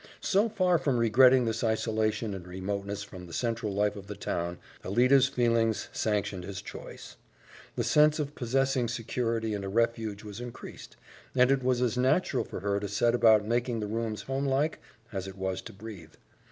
So far from regretting this isolation and remoteness from the central life of the town, Alida's feelings sanctioned his choice. The sense of possessing security and a refuge was increased, and it was as natural for her to set about making the rooms homelike as it was to breathe.